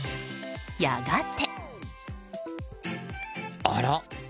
やがて。